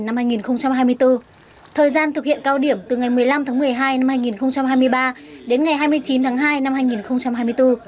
thời gian thực hiện cao điểm từ ngày một mươi năm tháng một mươi hai năm hai nghìn hai mươi ba đến ngày hai mươi chín tháng hai năm hai nghìn hai mươi bốn